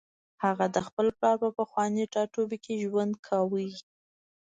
هغه د خپل پلار په پخواني ټاټوبي کې ژوند کاوه